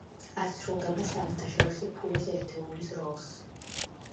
ასრულებდა საერთაშორისო ფულის ერთეულის როლს.